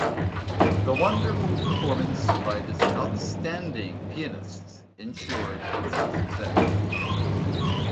The wonderful performance by this outstanding pianist ensured its success.